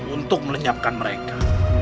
untuk melenyapkan mereka